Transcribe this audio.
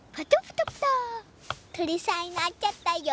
とりさんになっちゃったよ！